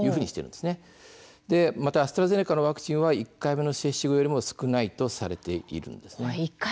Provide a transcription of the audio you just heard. またアストラゼネカのワクチンは１回目の接種後よりも少ないとされているんです。